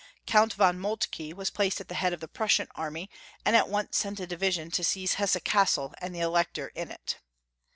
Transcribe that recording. Count von Moltke was placed at the head of the Prussian army, and at once sent a division to seize Ilesse Cassel and the Elector in it.